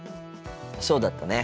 そうだったね。